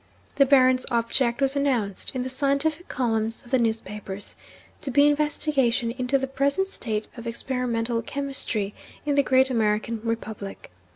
The Baron's object was announced, in the scientific columns of the newspapers, to be investigation into the present state of experimental chemistry in the great American republic.